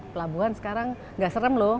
pelabuhan sekarang nggak serem loh